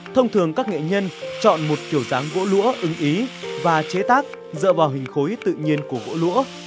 thông thường các nghệ nhân chọn một kiểu dáng gỗ lũa ứng ý và chế tác dựa vào hình khối tự nhiên của gỗ lũa